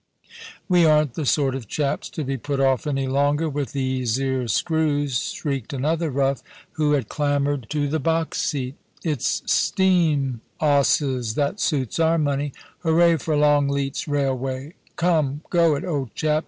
■* We aren't the sort of chaps to be put off any longer with these 'ere screws,' shrieked another rough, who had clambered THE PREMIER. 9 to the box seat * It's steam 'osses that suits our money. Hooray for Longleat's railway ! Come, go it, old chap